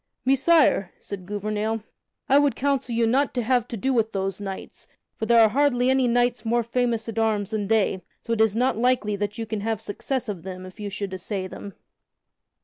"Messire," said Gouvernail, "I would counsel you not to have to do with those knights, for there are hardly any knights more famous at arms than they, so it is not likely that you can have success of them if you should assay them."